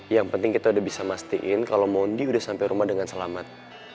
yang penting kita udah bisa mastiin kalau mondi udah sampai rumah dengan selamat